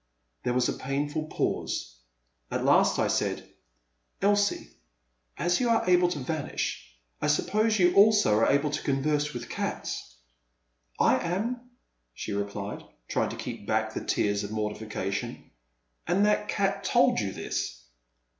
There was a painful pause. At last I said ;Klsie, as you are able to vanish, I suppose you also are able to converse with cats." I am," she replied, trying to keep back the tears of mortification. •* And that cat told you this?"